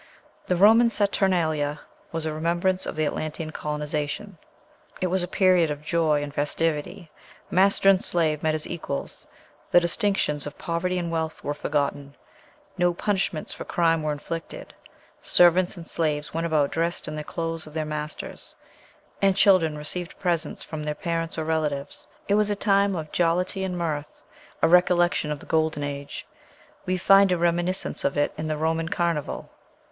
The Roman Saturnalia was a remembrance of the Atlantean colonization. It was a period of joy and festivity; master and slave met as equals; the distinctions of poverty and wealth were forgotten; no punishments for crime were inflicted; servants and slaves went about dressed in the clothes of their masters; and children received presents from their parents or relatives. It was a time of jollity and mirth, a recollection of the Golden Age. We find a reminiscence of it in the Roman "Carnival."